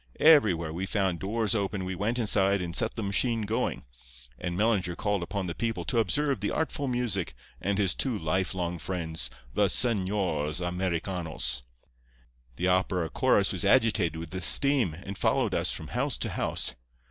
Everywhere we found doors open we went inside and set the machine going, and Mellinger called upon the people to observe the artful music and his two lifelong friends, the Señors Americanos. The opera chorus was agitated with esteem, and followed us from house to house.